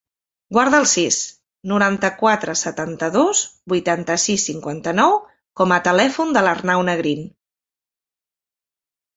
Guarda el sis, noranta-quatre, setanta-dos, vuitanta-sis, cinquanta-nou com a telèfon de l'Arnau Negrin.